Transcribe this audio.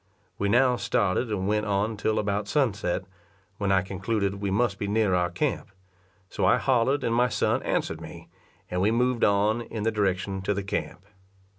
We now started and went on till about sunset, when I concluded we must be near our camp; so I hollered and my son answered me, and we moved on in the direction to the camp.